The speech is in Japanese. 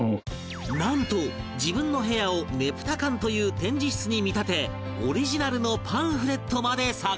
なんと自分の部屋をねぷた館という展示室に見立てオリジナルのパンフレットまで作成